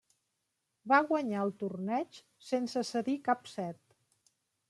Va Guanyar el torneig sense cedir cap set.